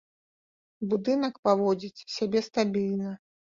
Будынак паводзіць сябе стабільна.